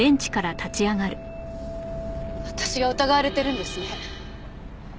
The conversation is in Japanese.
私が疑われてるんですね。